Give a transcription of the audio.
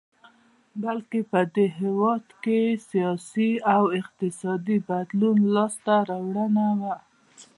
بلکې په دې هېواد کې د سیاسي او اقتصادي بدلون لاسته راوړنه وه.